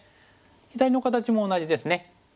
左の形も同じですね。